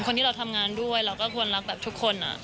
คนที่เราทำงานด้วยเราก็ควรรักแบบทุกคน